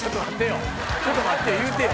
ちょっと待ってよ言うてよ。